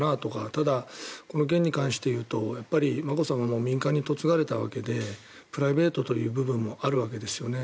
ただ、この件に関して言うと眞子さまも民間に嫁がれたわけでプライベートという部分もあるわけですよね。